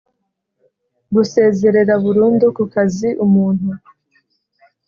gusezerera burundu kukazi umuntu